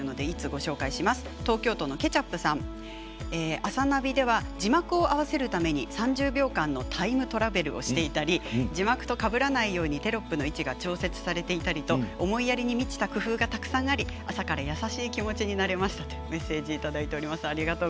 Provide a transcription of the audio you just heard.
「あさナビ」では字幕を合わせるためにタイムトラベルをしていたり字幕とかぶらないようにテロップの位置が調節されていたりと思いやりに満ちた工夫がたくさんあり朝から優しい気持ちになれましたとメッセージいただいております。